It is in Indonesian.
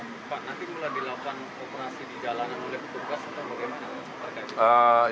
pak nanti mulai dilakukan operasi di jalanan oleh petugas atau bagaimana